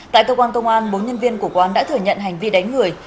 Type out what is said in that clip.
tại cơ quan công an bốn nhân viên của quán đã thừa nhận hành vi đánh người